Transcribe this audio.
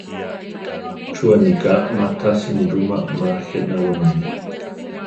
¿Chú aniká má tasi nirúma ma jéna wenómi?